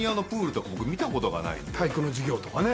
体育の授業とかね。